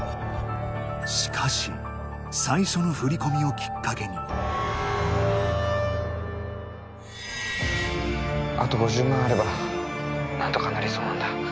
しかし最初の振り込みをきっかけにあと５０万あれば何とかなりそうなんだ